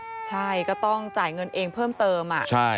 ใช่ก็ต้องจ่ายเงินเองเพิ่มเติม